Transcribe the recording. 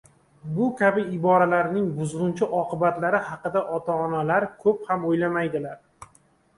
Bu kabi iboralarning buzg‘unchi oqibatlari haqida ota-onalar ko‘p ham o‘ylamaydilar.